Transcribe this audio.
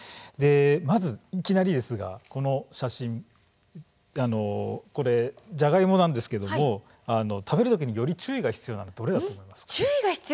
まずいきなりですが、この写真ジャガイモなんですが食べる時により注意が必要なのはどれだと思いますか。